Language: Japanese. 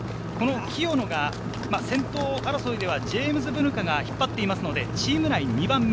清野が先頭争いではブヌカが引っ張っているので、チーム内２番目。